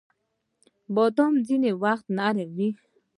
باد ځینې وخت نرم وي